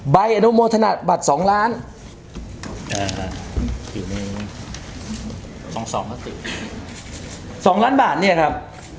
ใบอนุโมธนาบัตรสองล้านอยู่ในสองสองแล้วสิสองล้านบาทเนี้ยครับ